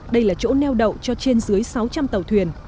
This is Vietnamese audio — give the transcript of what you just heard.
đây là chỗ neo đậu cho trên dưới sáu trăm linh tàu thuyền